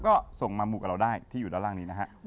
ก็ส่งมาหมู่กับเราได้ที่อยู่ด้านล่างนี้นะฮะ